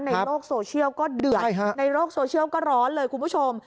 ในโลกโซเชียลก็เดือดในโลกโซเชียลก็ร้อนเลยคุณผู้ชม